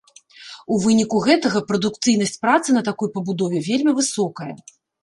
У выніку гэтага прадукцыйнасць працы на такой пабудове вельмі высокая.